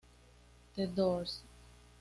The Doors.